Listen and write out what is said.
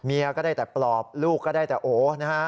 ก็ได้แต่ปลอบลูกก็ได้แต่โอนะฮะ